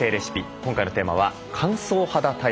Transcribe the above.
今回のテーマは乾燥肌対策です。